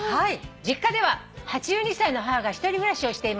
「実家では８２歳の母が１人暮らしをしています」